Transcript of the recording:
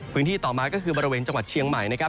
ต่อมาก็คือบริเวณจังหวัดเชียงใหม่นะครับ